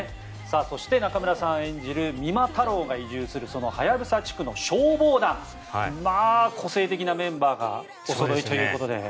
そして、中村さん演じる三馬太郎が移住するハヤブサ地区の消防団個性的なメンバーがおそろいということで。